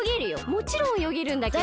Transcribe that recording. もちろんおよげるんだけど。